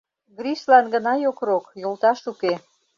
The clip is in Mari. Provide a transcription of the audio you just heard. Гришлан гына йокрок, йолташ уке.